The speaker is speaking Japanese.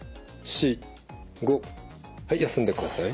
はい休んでください。